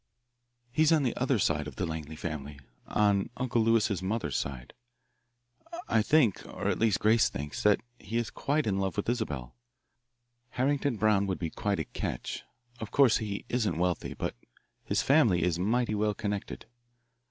"He's on the other side of the Langley family, on Uncle Lewis's mother's side. I think, or at least Grace thinks, that he is quite in love with Isabelle. Harrington Brown would be quite a catch. Of course he isn't wealthy, but his family is mighty well connected.